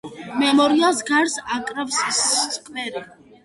მემორიალს გარს აკრავს სკვერი.